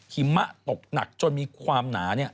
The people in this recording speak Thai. หิมะตกหนักจนมีความหนา